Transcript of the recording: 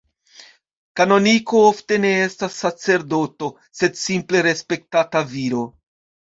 Kanoniko ofte ne estas sacerdoto, sed simple respektata viro.